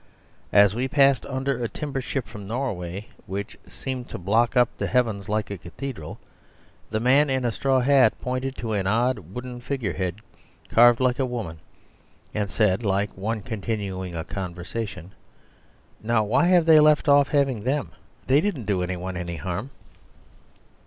As we passed under a timber ship from Norway, which seemed to block up the heavens like a cathedral, the man in a straw hat pointed to an odd wooden figurehead carved like a woman, and said, like one continuing a conversation, "Now, why have they left off having them. They didn't do any one any harm?"